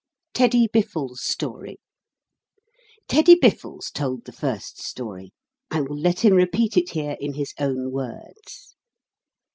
TEDDY BIFFLES' STORY Teddy Biffles told the first story, I will let him repeat it here in his own words.